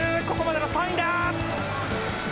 ここまでの３位だ。